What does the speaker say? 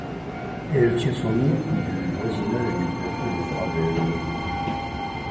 Elle tient son nom du voisinage du plateau de Gravelle.